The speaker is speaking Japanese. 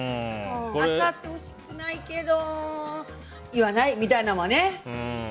触ってほしくないけど言わないみたいなのはね。